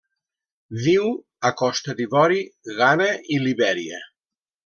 Viu a Costa d'Ivori, Ghana i Libèria.